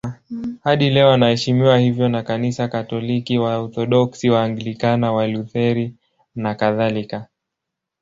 Hadi leo anaheshimiwa hivyo na Kanisa Katoliki, Waorthodoksi, Waanglikana, Walutheri nakadhalika.